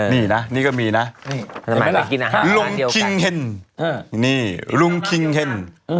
นี่นะนี่ก็มีนะเห็นไหมล่ะลุงคิงเฮ็นนี่ลุงคิงเฮ็น